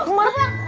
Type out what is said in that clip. balik balik balik